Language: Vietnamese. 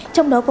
trong đó là